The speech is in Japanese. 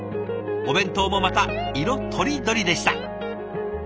お弁当もまた色とりどりでした。